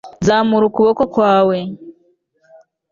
zamura ukuboko kwawe